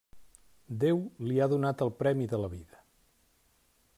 Déu li ha donat el premi de la vida.